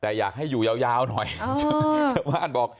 เอ้อมรออาม